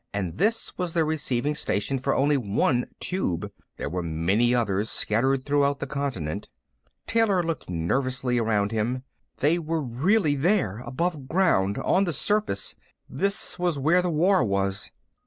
And this was the receiving station for only one Tube; there were many others, scattered throughout the continent. Taylor looked nervously around him. They were really there, above ground, on the surface. This was where the war was.